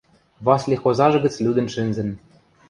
Васли хозажы гӹц лӱдӹн шӹнзӹн.